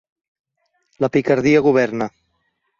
La picardia governa.